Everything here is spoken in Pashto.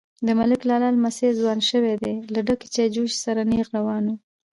_د ملک لالا لمسی ځوان شوی دی، له ډکې چايجوشې سره نيغ روان و.